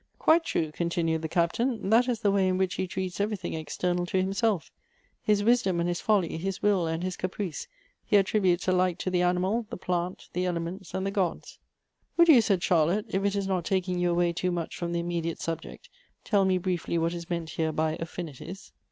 " Quite true," continued the captain. " That is the way in which he treats everything external to himself His wisdom and his folly, his will and his caprice, he attrib utes .alike to the animal, the plant, the elements, and the gods." Elective Affinities. 37 " Would you," said Chai lotte, " if it is not taking you away too much from the immediate subject, tell me briefly what is meant here by Affinities